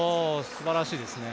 すばらしいですね。